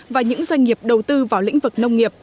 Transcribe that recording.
và những doanh nghiệp đầu tư vào lĩnh vực nông nghiệp